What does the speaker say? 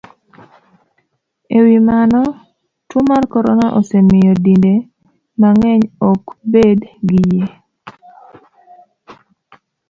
E wi mano, tuo mar corona osemiyo dinde mang'eny ok bed gi yie